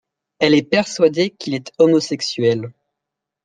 Elle est persuadée qu'il est homosexuel.